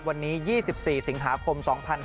วันนี้๒๔สิงหาคม๒๕๕๙